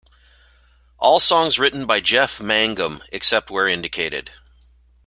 All songs written by Jeff Mangum, except where indicated.